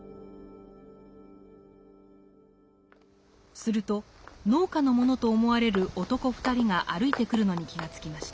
すると農家の者と思われる男２人が歩いてくるのに気が付きました。